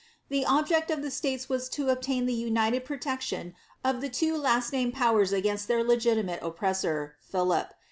The object of the States was to obtain the united protection of the two last named powers against their legitimate op pressor, Philip.